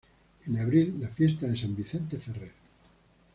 En abril la fiesta de San Vicente Ferrer.